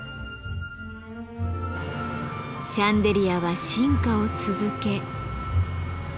シャンデリアは進化を続け。